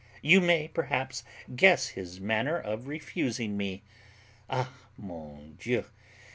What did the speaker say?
You may perhaps guess his manner of refusing me. _Ah, mon Dieu!